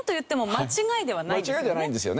間違いではないんですよね。